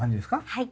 はい。